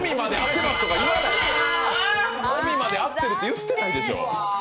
「おみ」まで合ってるとかって言ってないでしょ。